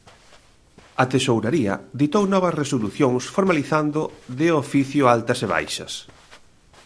A Tesouraría ditou novas resolucións formalizando de oficio altas e baixas.